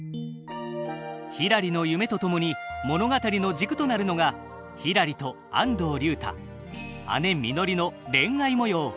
ひらりの夢と共に物語の軸となるのがひらりと安藤竜太姉みのりの恋愛模様。